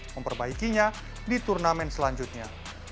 memperbaikinya di turnamen selanjutnya